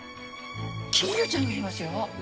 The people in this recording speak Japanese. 金魚ちゃんがいますよ。